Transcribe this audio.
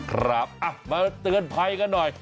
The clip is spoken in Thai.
ครับมาเตือนภัยกันหน่อย